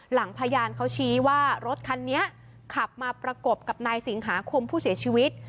พยานเขาชี้ว่ารถคันนี้ขับมาประกบกับนายสิงหาคมผู้เสียชีวิต